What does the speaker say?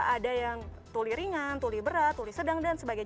ada yang tuli ringan tuli berat tuli sedang dan sebagainya